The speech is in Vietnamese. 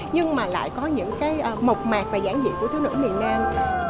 nhưng mà lại có những cái mộc mạc và giảng dị của thiếu nữ miền nam